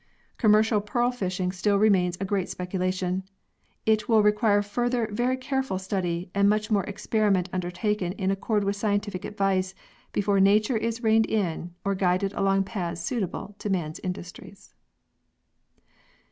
Commercial pearl fishing still remains a great speculation. It will require further very careful study and much more experiment undertaken in accord with scientific advice before nature is reined in or guided along paths suitable to man's industries.